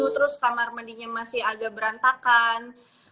terus kamar mandinya masih agak berantakan